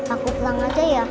aku pulang aja ya